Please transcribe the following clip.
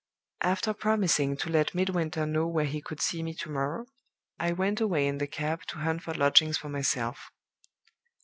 "After promising to let Midwinter know where he could see me to morrow, I went away in the cab to hunt for lodgings by myself.